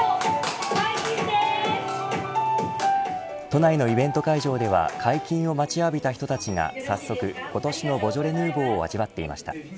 都内のイベント会場では解禁を待ちわびた人たちが早速今年のボジョレ・ヌーボーを味わっていました。